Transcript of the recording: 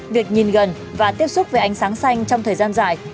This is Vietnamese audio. việc nhìn gần và tiếp xúc với ánh sáng xanh trong thời gian dài